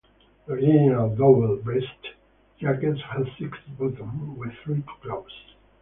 The original double-breasted jacket has six buttons, with three to close.